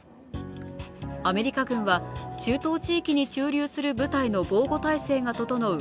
アメリカ軍は中東地域に駐留する部隊の防護態勢が整う